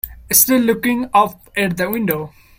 Still looking up at the window.